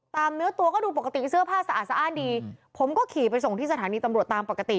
เนื้อตัวก็ดูปกติเสื้อผ้าสะอาดสะอ้านดีผมก็ขี่ไปส่งที่สถานีตำรวจตามปกติ